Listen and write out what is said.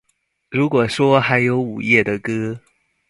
如果说还有午夜的歌